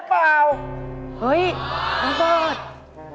เฮ้ยน้ำเบิร์ด